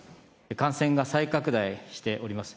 感染が再拡大しております。